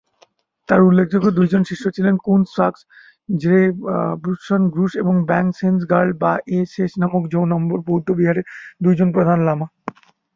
তার উল্লেখযোগ্য দুইজন শিষ্য ছিলেন কুন-স্পাংস-থুগ্স-র্জে-ব্র্ত্সোন-গ্রুস এবং ব্যাং-সেম্স-র্গ্যাল-বা-য়ে-শেস নামক জো-নম্বর বৌদ্ধবিহারের দুইজন প্রধান লামা।